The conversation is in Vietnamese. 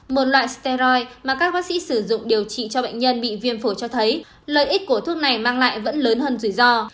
một loại sty mà các bác sĩ sử dụng điều trị cho bệnh nhân bị viêm phổi cho thấy lợi ích của thuốc này mang lại vẫn lớn hơn rủi ro